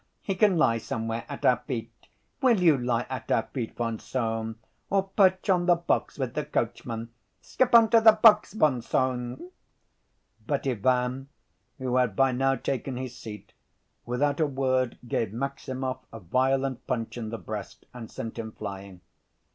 He can lie somewhere at our feet. Will you lie at our feet, von Sohn? Or perch on the box with the coachman. Skip on to the box, von Sohn!" But Ivan, who had by now taken his seat, without a word gave Maximov a violent punch in the breast and sent him flying.